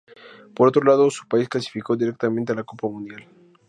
Por otro lado, su país clasificó directamente a la Copa Mundial.